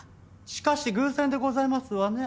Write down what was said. しかし偶然でございますわね。